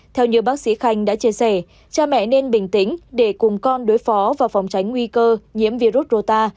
theo như bác sĩ khanh đã chia sẻ cha mẹ nên bình tĩnh để cùng con đối phó và phòng tránh nguy cơ nhiễm virus rota